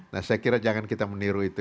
nah saya kira jangan kita meniru itu